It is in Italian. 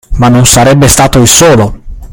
Ma non sarebbe stato il solo!